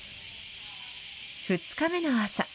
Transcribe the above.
２日目の朝。